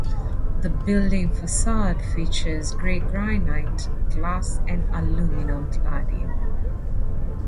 The building facade features grey granite, glass and aluminum cladding.